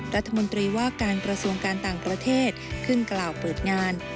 รัฐมนตรีว่าการกระทรวงการต่างประเทศขึ้นกล่าวเปิดงาน